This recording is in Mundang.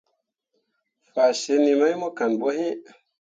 Fasǝǝni mai mo kan ɓo iŋ.